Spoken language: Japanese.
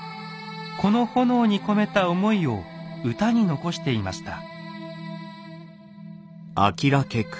この炎に込めた思いを歌に残していました。